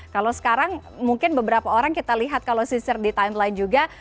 kalau sekarang mungkin beberapa orang kita lihat kalau sisir di timeline juga